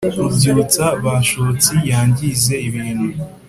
rubyutsa bashotsi yangize ibintu